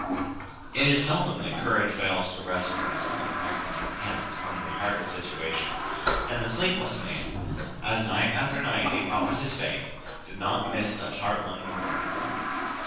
It is seldom that courage fails to wrest for us some recompense from the hardest situation, and the sleepless man, as night after night he fought with his fate, did not miss such hard wrung rewards.